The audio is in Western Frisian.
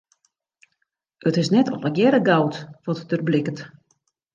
It is net allegearre goud wat der blikkert.